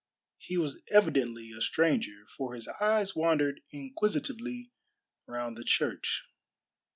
He was evidently a stranger, for his eyes wandered inquisitively round the church.